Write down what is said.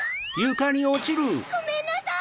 ごめんなさい！